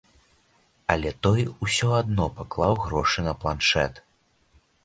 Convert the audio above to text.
Але той усё адно паклаў грошы на планшэт.